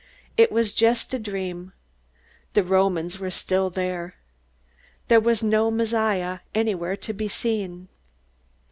It was just a dream. The Romans were still there. There was no Messiah anywhere to be seen.